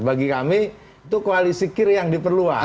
bagi kami itu koalisi kir yang diperluas